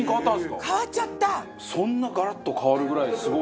そんなガラッと変わるぐらいすごい。